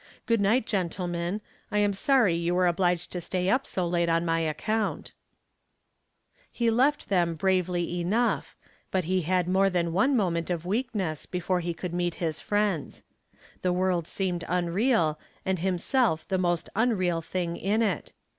Good night, gentlemen. I am sorry you were obliged to stay up so late on my account." He left them bravely enough, but he had more than one moment of weakness before he could meet his friends. The world seemed unreal and himself the most unreal thing in it.